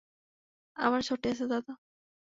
আমার সর্টি আছে দাদা।